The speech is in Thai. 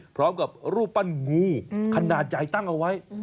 พร้อมกับรูปปั้นงูขนาดใหญ่ตั้งเอาไว้